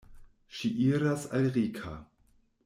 Ŝi iras al Rika.